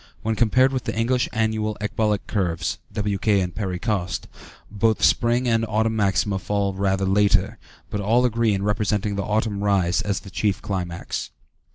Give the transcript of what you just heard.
When compared with the English annual ecbolic curves (W.K. and Perry Coste), both spring and autumn maxima fall rather later, but all agree in representing the autumn rise as the chief climax.